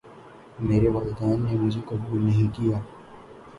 میرے والدین نے مجھے قبول نہیں کیا